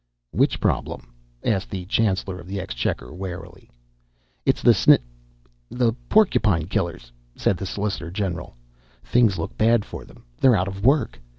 "Which problem?" asked the Chancellor of the Exchequer, warily. "It's the sn ... the porcupine killers," said the solicitor general. "Things look bad for them. They're out of work.